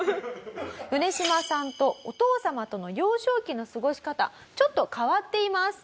ヨネシマさんとお父様との幼少期の過ごし方ちょっと変わっています。